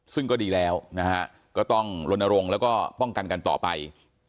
ซึ่งก็ดีแล้วนะฮะก็ต้องลนรงค์แล้วก็ป้องกันกันต่อไป